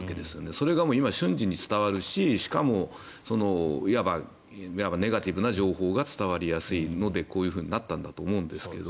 それが今、瞬時に伝わるししかもいわばネガティブな情報が伝わりやすいのでこういうふうになったんだと思うんですけど。